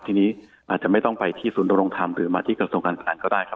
ทีนี้อาจจะไม่ต้องไปที่ศูนย์ดำรงธรรมหรือมาที่กระทรวงการคลังก็ได้ครับ